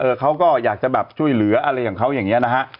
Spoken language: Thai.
เขาก็อยากจะแบบช่วยเหลืออะไรของเขาอย่างเงี้นะฮะ